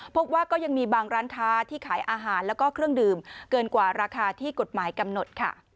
พบว่าก็ยังมีบางร้านค้าที่ขายอาหารแล้วก็เครื่องดื่มเกินกว่าราคาที่กฎหมายกำหนดค่ะ